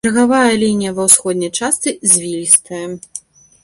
Берагавая лінія ва ўсходняй частцы звілістая.